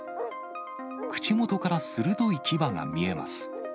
口元から鋭い牙が見えます。